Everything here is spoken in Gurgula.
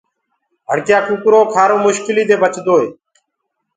هڙڪيآ ڪوُڪرو کآرو مشڪليٚ دي بچدوئي